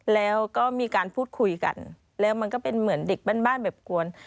แล้วก็มีการพูดคุยกันแล้วมันก็เป็นเหมือนเด็กบ้านแบบกวน